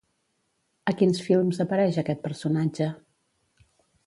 A quins films apareix aquest personatge?